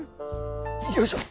よいしょ！